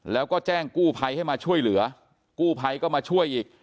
แล้วก็แจ้งกู้ภัยให้มาช่วยเหลือกู้ภัยก็มาช่วยอีก